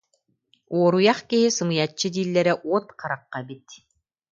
Уоруйах киһи сымыйаччы дииллэрэ уот харахха эбит